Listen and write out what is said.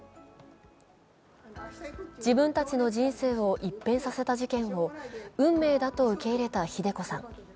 自分たちの人生を一変させた事件を運命だと受け入れたひで子さん。